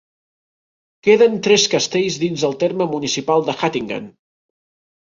Queden tres castells dins del terme municipal de Hattingen.